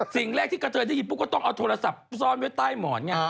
สิ่งแรกที่เกษย์ได้ยินปุ๊บก็ต้องอางจักรสับซ่อม้วยใต้หมอนไง